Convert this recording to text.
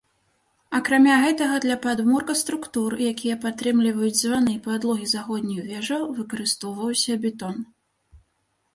Акрамя гэтага, для падмурка структур, якія падтрымліваюць званы, і падлогі заходніх вежаў выкарыстоўваўся бетон.